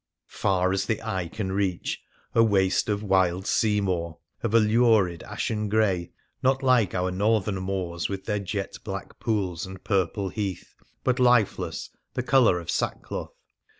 "Far as the eye can reach, a waste of wild sea moor, of a lurid ashen grey ; not like our Northern moors, with their jet black pools and purple heath, but lifeless, the colour of sack cloth.